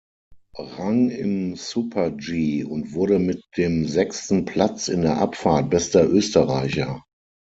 Rang im Super-G und wurde mit dem sechsten Platz in der Abfahrt bester Österreicher.